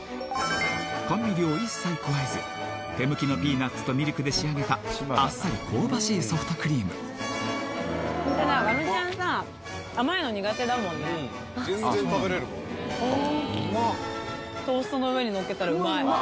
甘味料を一切加えず手むきのピーナッツとミルクで仕上げたあっさり香ばしいソフトクリームうまっすがちゃんさ甘いの苦手だもんねうん全然食べれるわうまっ